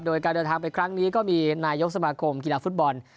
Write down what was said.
โดยการเดินทางไปครั้งนี้ก็มีนายกสมาคมกีฬาฟุตบอล